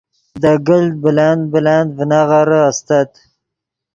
دے گلت بلند بلند ڤینغیرے استت